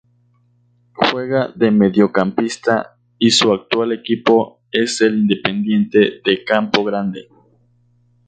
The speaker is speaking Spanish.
Juega de mediocampista y su actual equipo es el Independiente de Campo Grande.